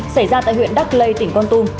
xảy ra tại huyện đắk lây tỉnh quang tung